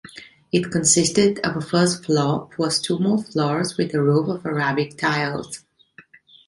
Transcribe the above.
It consisted of a first floor plus two more floors, with a roof of Arabic tiles.